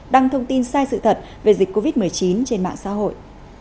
đăng thông tin sai sự thật về dịch covid một mươi chín trên mạng xã hội